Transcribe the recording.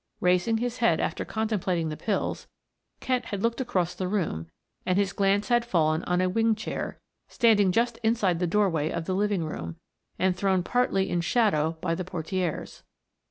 Raising his head after contemplating the pills, Kent had looked across the room and his glance had fallen on a wing chair, standing just inside the doorway of the living room, and thrown partly in shadow by the portieres.